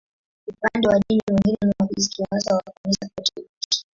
Upande wa dini, wengi ni Wakristo, hasa wa Kanisa Katoliki.